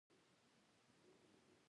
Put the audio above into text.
د ماشوم لوبې لیدل خوږ یاد راوړي